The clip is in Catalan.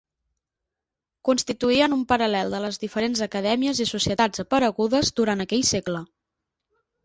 Constituïen un paral·lel de les diferents acadèmies i societats aparegudes durant aquell segle.